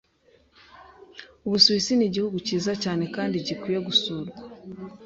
Ubusuwisi nigihugu cyiza cyane kandi gikwiye gusurwa.